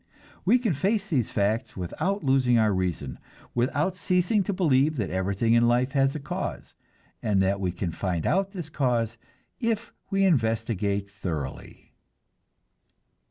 We can face these facts without losing our reason, without ceasing to believe that everything in life has a cause, and that we can find out this cause if we investigate thoroughly.